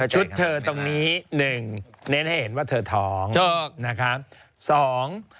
ชุดเธอตรงนี้๑เน้นให้เห็นว่าเธอท้อง